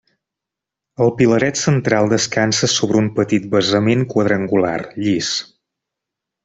El pilaret central descansa sobre un petit basament quadrangular, llis.